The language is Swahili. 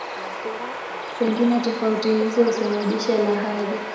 Pengine tofauti hizo husababisha lahaja.